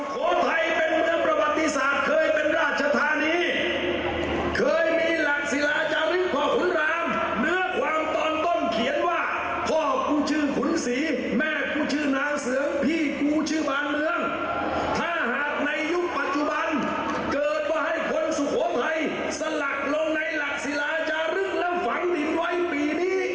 ผลักลงในหลักศิลาจะรึ่งละฝังยิบร้อยปีนี่อีกร้อยปี